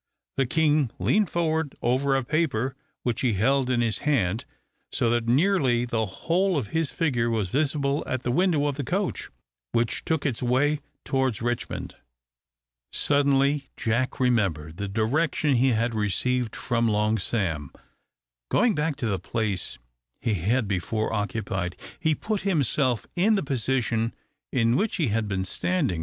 The king leaned forward over a paper which he held in his hand, so that nearly the whole of his figure was visible at the window of the coach, which took its way towards Richmond. Suddenly Jack remembered the direction he had received from Long Sam. Going back to the place he had before occupied, he put himself in the position in which he had been standing.